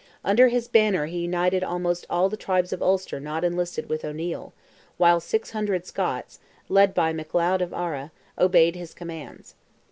Under his banner he united almost all the tribes of Ulster not enlisted with O'Neil; while six hundred Scots, led by MacLeod of Ara, obeyed his commands.